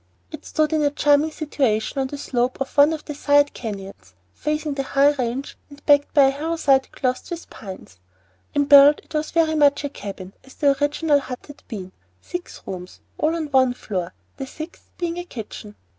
It stood in a charming situation on the slope of one of the side canyons, facing the high range and backed by a hillside clothed with pines. In build it was very much such a cabin as the original hut had been, six rooms, all on one floor, the sixth being a kitchen.